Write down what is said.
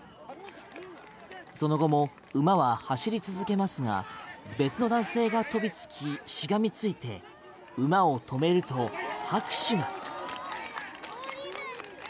その後も馬は走り続けますが別の男性が飛びつきしがみついて馬を止めると拍手が。